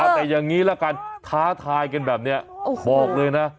แต่อย่างนี้ละกันท้าทายกันแบบนี้บอกเลยนะ